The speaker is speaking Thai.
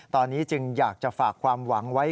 ตอนนี้จึงอยากจะฝากความหวังไว้